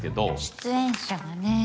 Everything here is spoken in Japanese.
出演者がね